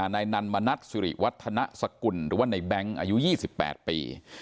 นายนันมณัฐสิริวัฒนสกุลหรือว่าในแบงค์อายุ๒๘ปี